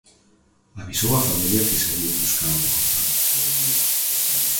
Avisou a familia que saíu buscalo decontado.